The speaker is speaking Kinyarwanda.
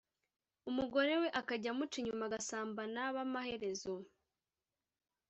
umugore we akajya amuca inyuma agasambana b amaherezo